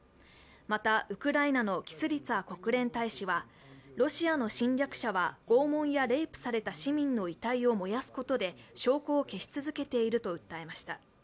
また、ウクライナのキスリツァ国連大使は、ロシアの侵略者は拷問やレイプされた市民の遺体を燃やすことで証拠を消し続けていると訴えました。